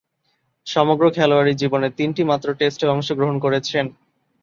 সমগ্র খেলোয়াড়ী জীবনে তিনটিমাত্র টেস্টে অংশগ্রহণ করেছেন।